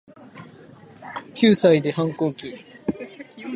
九歳で反抗期